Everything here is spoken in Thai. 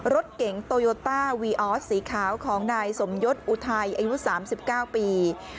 รถเก๋งโตโยต้าวีออสสีขาวของนายสมยศอุทัยอายุ๓๙ปี